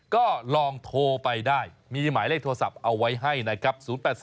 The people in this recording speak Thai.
ก็ลองโทรไปได้มีหมายเลขโทรศัพท์เอาไว้ให้นะครับ